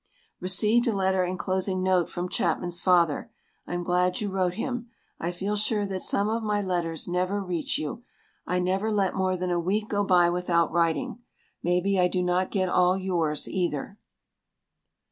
Received letter inclosing note from Chapman's father. I'm glad you wrote him. I feel sure that some of my letters never reach you. I never let more than a week go by without writing. Maybe I do not get all yours, either.